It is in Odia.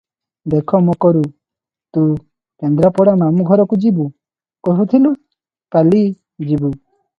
ଦେଖ ମକରୁ, ତୁ କେନ୍ଦ୍ରାପଡ଼ା ମାମୁ ଘରକୁ ଯିବୁ କହୁଥିଲୁ, କାଲି ଯିବୁ ।